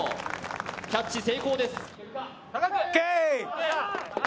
キャッチ成功です。